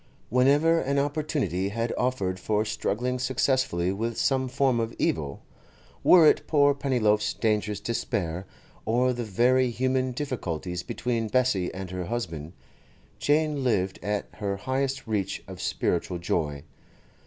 Whenever an opportunity had offered for struggling successfully with some form of evil—were it poor Pennyloaf's dangerous despair, or the very human difficulties between Bessie and her husband—Jane lived at her highest reach of spiritual joy.